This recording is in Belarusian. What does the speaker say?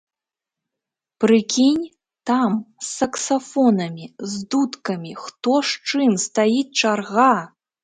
Прыкінь, там, з саксафонамі, з дудкамі, хто з чым, стаіць чарга!